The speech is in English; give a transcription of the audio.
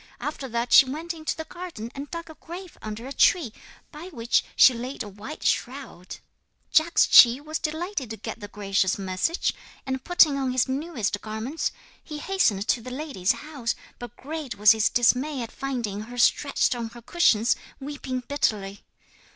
After that she went into the garden and dug a grave under a tree, by which she laid a white shroud. 'Jagdschi was delighted to get the gracious message; and, putting on his newest garments, he hastened to the lady's house, but great was his dismay at finding her stretched on her cushions, weeping bitterly.